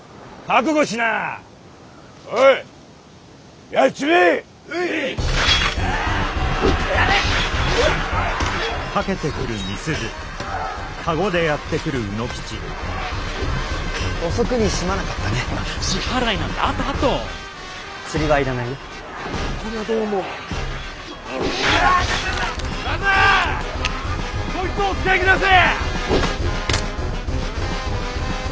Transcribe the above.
こいつをお使いくだせえ！